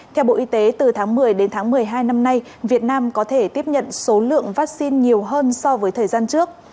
theo bộ y tế từ tháng một mươi đến tháng một mươi hai năm nay việt nam có thể tiếp nhận số lượng vaccine nhiều hơn so với thời gian trước